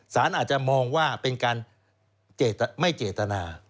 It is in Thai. สารอาจจะมองว่าเป็นการไม่เจตนา